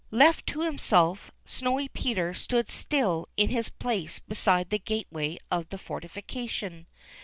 Left to himself, Snowy Peter stood still in his place beside the gateway of the fortification.